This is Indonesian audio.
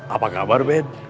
apa kabar ben